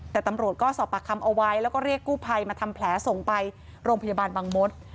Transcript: แต่ตำรวจก็สอบปากคำเอาไว้แล้วก็เรียกกู้ภัยมาทำแผลส่งไปโรงพยาบาลบางมศ